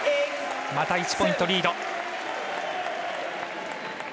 また１ポイントリード。